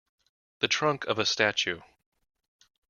The trunk of a statue.